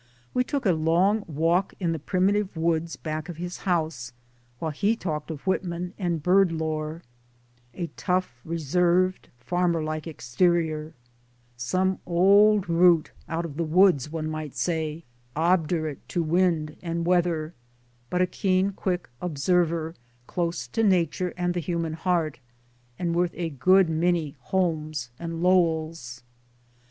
We took a long walk in the primitive woods back of his house, while he talked of Whitman and bird lore a tough reserved farmer like exterior, some 90 MY DAYS AND DREAMS old root out of the woods one might say obdurate to wind and weather but a keen quick observer close to Nature and the human heart, and' worth a good many Holmes and Lowells.